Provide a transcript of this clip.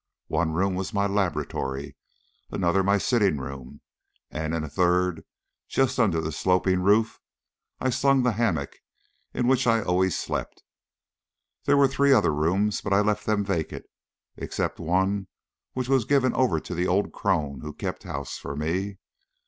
One room was my laboratory, another my sitting room, and in a third, just under the sloping roof, I slung the hammock in which I always slept. There were three other rooms, but I left them vacant, except one which was given over to the old crone who kept house for me.